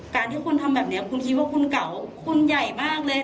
การที่คุณทำแบบนี้คุณคิดว่าคุณเก่าคุณใหญ่มากเลย